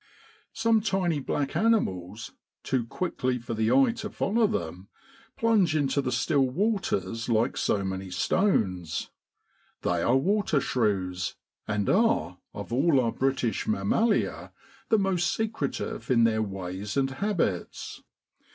Some tiny black animals, too quickly for the eye to follow them, plunge into the still waters like so many stones. They are water shrews and are, of all our British mammalia, the most secretive in their ways and habits.